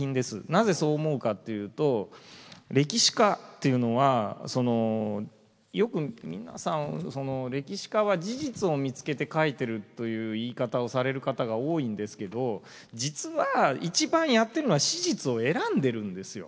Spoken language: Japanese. なぜそう思うかっていうと歴史家というのはよく皆さんその歴史家は事実を見つけて書いてるという言い方をされる方が多いんですけど実は一番やってるのは史実を選んでるんですよ。